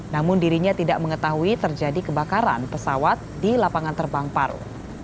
namun dirinya tidak mengetahui terjadi kebakaran pesawat di lapangan terbang paru